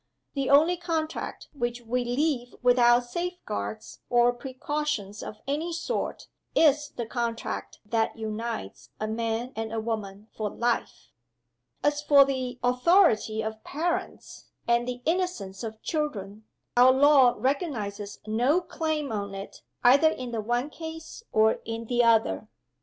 The only contract which we leave without safeguards or precautions of any sort is the contract that unites a man and a woman for life. As for the authority of parents, and the innocence of children, our law recognizes no claim on it either in the one case or in the other.